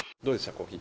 コーヒー